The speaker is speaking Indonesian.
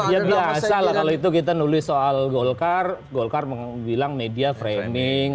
ya biasa lah kalau itu kita nulis soal golkar golkar bilang media framing